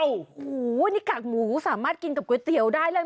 โอ้โหนี่กากหมูสามารถกินกับก๋วยเตี๋ยวได้เลย